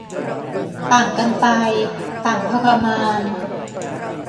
ต่างกันไป ต่างทรมาน